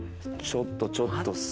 ちょっとちょっと。